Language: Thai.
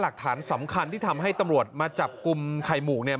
หลักฐานสำคัญที่ทำให้ตำรวจมาจับกลุ่มไข่หมูกเนี่ย